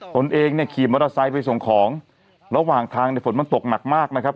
ตนเองเนี่ยขี่มอเตอร์ไซค์ไปส่งของระหว่างทางเนี่ยฝนมันตกหนักมากนะครับ